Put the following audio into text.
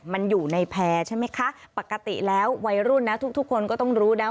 มันอยู่ในแพร่ใช่ไหมคะปกติแล้ววัยรุ่นนะทุกทุกคนก็ต้องรู้นะ